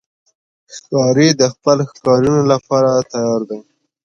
ښکاري د خپلو ښکارونو لپاره تیار دی.